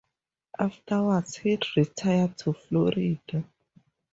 Afterwards, he retired to Florida.